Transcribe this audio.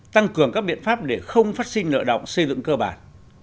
tăng cường các biện pháp để không phát sinh nợ động xây dựng cơ bản